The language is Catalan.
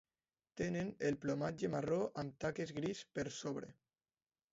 Tenen el plomatge marró amb taques gris per sobre.